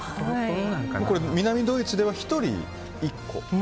南ドイツでは１人１個？